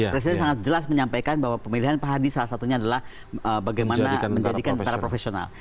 presiden sangat jelas menyampaikan bahwa pemilihan pak hadi salah satunya adalah bagaimana menjadikan secara profesional